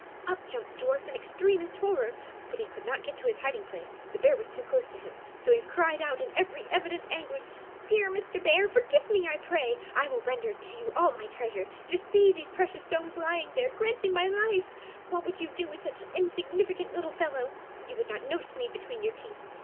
Up jumped the dwarf in extremest terror, but could not get to his hiding place, the bear was too close to him; so he cried out in very evident anguish "Dear Mr. Bear, forgive me, I pray! I will render to you all my treasure. Just see those precious stones lying there! Grant me my life! What would you do with such an insignificant little fellow? You would not notice me between your teeth.